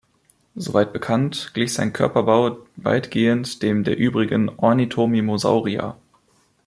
Soweit bekannt, glich sein Körperbau weitgehend dem der übrigen Ornithomimosauria.